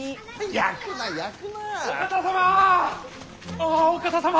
ああお方様！